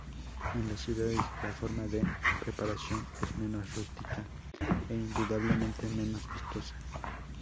En las ciudades, la forma de preparación es menos rústica e indudablemente menos vistosa.